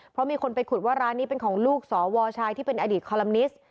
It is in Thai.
เพราะมีคนไปขุดว่าร้านนี้เป็นของลูกสวชายที่เป็นอดีตคอลัมนิสต์